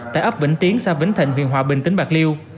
tại ấp vĩnh tiến xa vĩnh thịnh huyện hòa bình tỉnh bạc liêu